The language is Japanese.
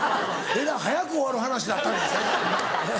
早く終わる話だったんですね。